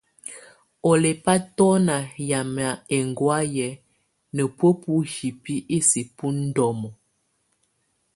Ɔ lɛba tɔna yamɛ ɛnŋgɔayɛ na bɔa bɔ hibi ɛsɛ bɔ ndɔmɔ.